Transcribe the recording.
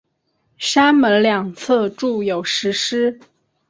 山门两侧筑有石狮。